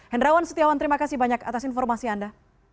hendrawan setiawan terima kasih banyak atas informasi anda